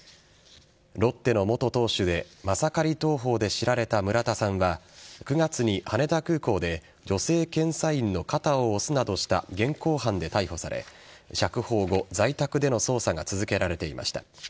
ロッテの元投手でマサカリ投法で知られた村田さんは９月に羽田空港で女性検査員の肩を押すなどした現行犯で逮捕され釈放後、在宅での捜査が続けられていました。